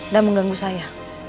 dan mengganggu saya